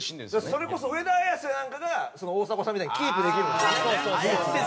それこそ上田綺世なんかが大迫さんみたいにキープできるんですよね。